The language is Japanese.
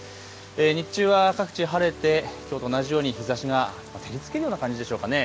日中は各地晴れてきょうと同じように日ざしが照りつけるような感じでしょうかね。